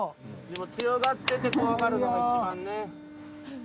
でも強がってて怖がるのがいちばんね。